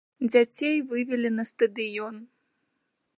Дзяцей вывелі на стадыён.